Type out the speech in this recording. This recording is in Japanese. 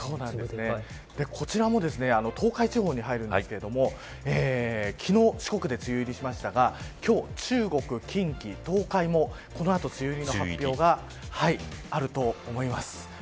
こちらも東海地方に入るんですけど昨日、四国で梅雨入りしましたが今日、中国、近畿、東海もこの後、梅雨入りの発表があると思います。